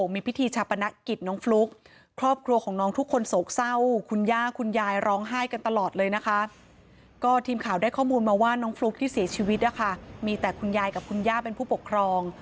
มีแต่คุณญาติกับคุณญาเป็นผู้ปกครอง